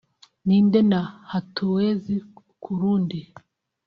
‘Ni nde’ na ‘Hatuwezi kurudi’